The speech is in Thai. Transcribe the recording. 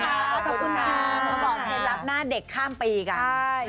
รับหน้าเด็กข้ามปีกัน